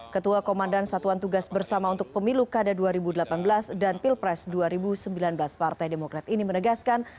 ketua komandan satuan tugas bersama untuk pemilu kada dua ribu delapan belas dan pilpres dua ribu sembilan belas partai demokrat ini menegaskan